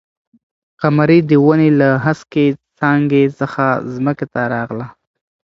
قمري د ونې له هسکې څانګې څخه ځمکې ته راغله.